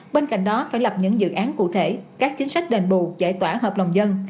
bên cạnh đó phải lập những dự án cụ thể các chính sách đền bù giải tỏa hợp đồng dân